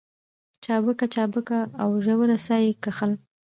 چابکه چابکه او ژوره ساه يې کښل.